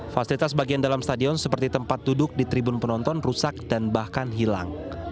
fasilitas bagian dalam stadion seperti tempat duduk di tribun penonton rusak dan bahkan hilang